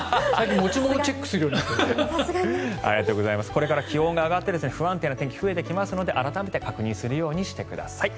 これから気温が上がって不安定な天気が増えてきますので、改めて確認するようにしてください。